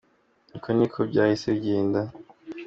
Uko ni ko byahise bigenda.